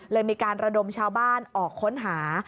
มีการระดมชาวบ้านออกค้นหา